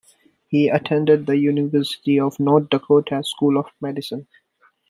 He attended the University of North Dakota School of Medicine.